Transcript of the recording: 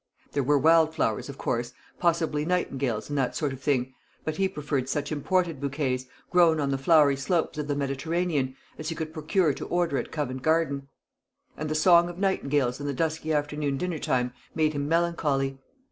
There were wild flowers, of course possibly nightingales and that sort of thing; but he preferred such imported bouquets, grown on the flowery slopes of the Mediterranean, as he could procure to order at Covent Garden; and the song of nightingales in the dusky after dinner time made him melancholy.